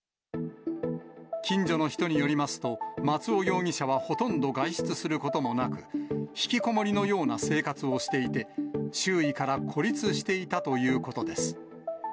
近所の人によりますと、松尾容疑者はほとんど外出することもなく、引きこもりのような生活をしていて、周囲から孤立していたということです。